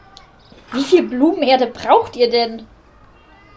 Wie viel Blumenerde braucht ihr denn?